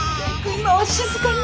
今は静かに。